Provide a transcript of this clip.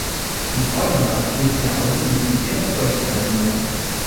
Die vorderen Abschnitte der Augen müssen immer feucht gehalten werden.